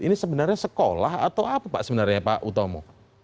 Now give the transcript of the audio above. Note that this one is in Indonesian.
ini sebenarnya sekolah atau apa pak sebenarnya pak utomo